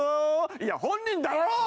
いや本人だよ！